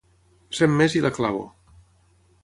Cent més i la clavo.